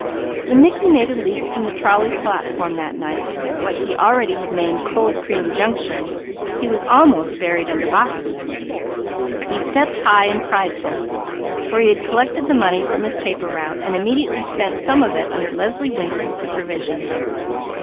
When Mickey made a leap from the trolley platform that night, at what he already had named Cold Cream Junction, he was almost buried under boxes. He stepped high and prideful, for he had collected the money from his paper route and immediately spent some of it under Leslie Winton's supervision.